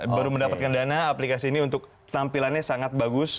baru mendapatkan dana aplikasi ini untuk tampilannya sangat bagus